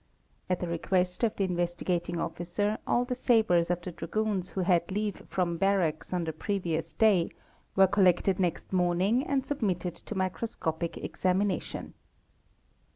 At the request of the Investigating Officer all the sabres of the dragoons who had leave from barracks on the previous day were collected next morning.and submitted to microscopic examination.